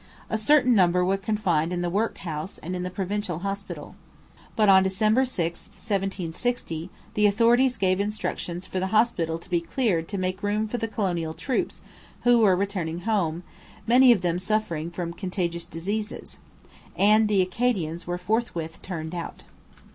A certain number were confined in the workhouse and in the provincial hospital. But on December 6, 1760, the authorities gave instructions for the hospital to be cleared to make room for the colonial troops who were returning home, many of them suffering from contagious diseases; and the Acadians were forthwith turned out.